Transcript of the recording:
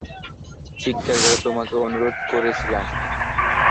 চিৎকার করে তোমাকে অনুরোধ করছিলাম!